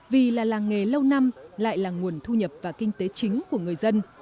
vì là làng nghề lâu năm lại là nguồn thu nhập và kinh tế chính của người dân